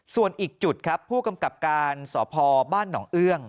ส่วนอีกจุดครับผู้กำกับการสพบ้านหนองเอื้อง